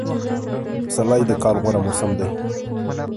پسرلی دکال غوره موسم دی